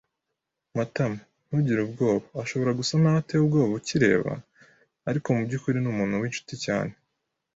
[Matama] Ntugire ubwoba. Ashobora gusa naho ateye ubwoba ukireba, ariko mubyukuri ni umuntu winshuti cyane.